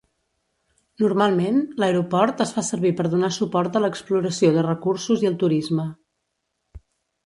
Normalment, l'aeroport es fa servir per donar suport a l'exploració de recursos i el turisme.